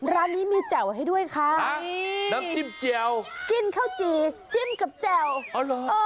ร้านนี้มีแจ่วให้ด้วยค่ะกินข้าวจี่จิ้มกับแจ่วอ๋อเหรอ